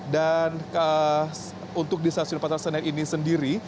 dan untuk di stasiun pasar senen ini sendiri